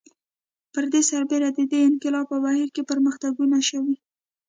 پر دې سربېره د دې انقلاب په بهیر کې پرمختګونه شوي